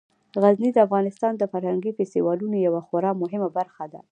غزني د افغانستان د فرهنګي فستیوالونو یوه خورا مهمه برخه ده.